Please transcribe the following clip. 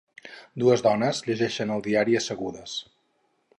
Dues dones llegeixen el diari assegudes.